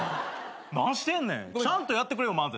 何してんねんちゃんとやってくれよ頼むわ。